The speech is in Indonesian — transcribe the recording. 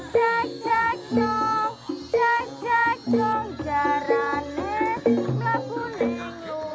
jek jek dong jek jek dong jarane melapuneng lor